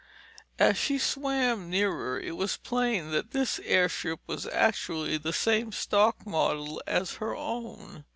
As she swam nearer it was plain that this airship was actually the same stock model as her own.